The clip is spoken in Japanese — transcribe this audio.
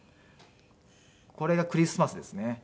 これがクリスマスですね。